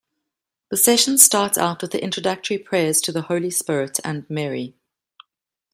The sessions start out with the introductory prayers to the Holy Spirit and Mary.